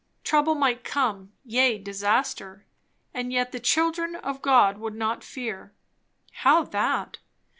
Trouble might come, yea, disaster; and yet the children of God would not fear. How that?